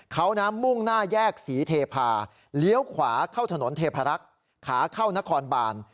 เขาน้ำมุ่งหน้าแยกศรีเทพาเลี้ยวขวาเข้าถนนเทพรักษ์ขาเข้านครบาน